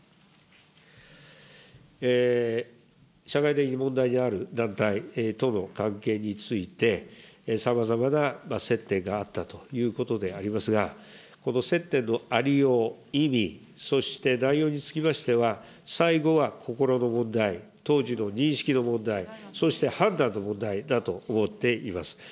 社会的に問題のある団体との関係について、さまざまな接点があったということでありますが、この接点のありよう、意味、そして内容につきましては、最後は心の問題、当時の認識の問題、そして判断の問題だと思っています。